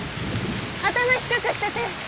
頭低くしてて！